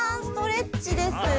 ストレッチです。